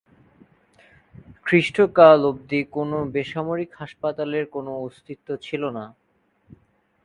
খ্রিস্ট কাল অবধি কোন বেসামরিক হাসপাতালের কোন অস্তিত্ব ছিল না।